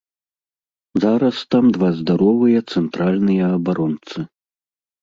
Зараз там два здаровыя цэнтральныя абаронцы.